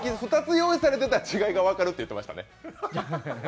２つ、用意されてたら違いが分かるって言ってましたね。